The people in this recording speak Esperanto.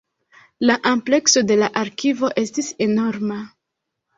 La amplekso de la arkivo estis enorma.